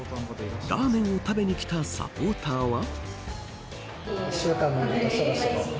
ラーメンを食べに来たサポーターは。